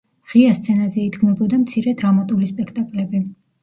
ღია სცენაზე იდგმებოდა მცირე დრამატული სპექტაკლები.